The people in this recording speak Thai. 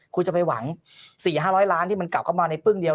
คุณจะไปหวัง๔๕๐๐ล้านที่มันกลับเข้ามาในปึ้งเดียว